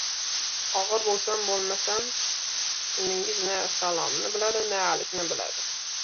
— Og‘ir bo‘lsam-bo‘lmasam! Uningiz na salomni biladi, na alikni biladi!